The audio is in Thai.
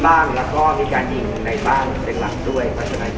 ไม่ไม่ไม่ไม่ไม่ไม่ไม่ไม่ไม่ไม่ไม่ไม่ไม่ไม่ไม่ไม่